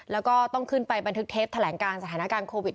แล้วก็ต้องขึ้นไปบันทึกเทปแถลงการสถานการณ์โควิด